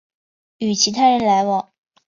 与其他人来往